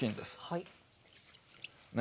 はい。